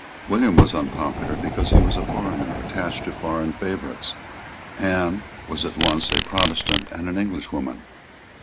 William was unpopular because he was a foreigner, attached to foreign favourites. Anne was at once a Protestant and an Englishwoman.